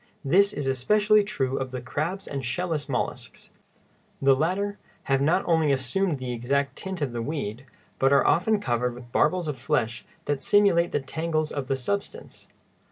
This is especially true of the crabs and shell less mollusks. The latter have not only assumed the exact tint of the weed, but are often covered with barbels of flesh that simulate the tangles of the substance.